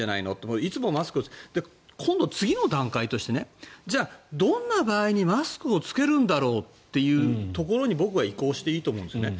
いつもマスク今度、次の段階としてどんな場合にマスクを着けるんだろうというところに僕は移行していいと思うんです。